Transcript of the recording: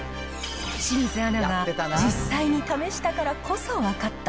清水アナが実際に試したからこそ分かった